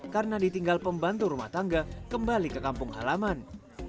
karena ditinggal pembantu rumah tangga kembali ke kampung halaman